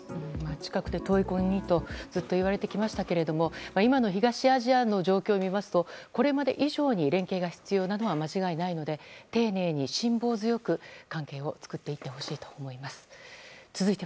近くて遠い国とずっと言われてきましたけれども今の東アジアの状況を見ますとこれまで以上に連携が必要なのは間違いないので丁寧に辛抱強く、関係を作っていってほしいと思います。